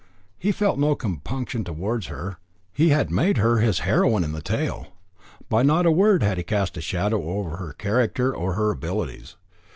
He felt no compunction towards her. He had made her his heroine in the tale. By not a word had he cast a shadow over her character or her abilities.